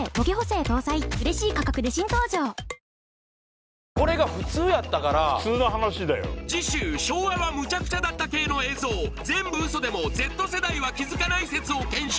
続くこれが普通やったから普通の話だよ次週昭和はむちゃくちゃだった系の映像全部ウソでもＺ世代は気づかない説を検証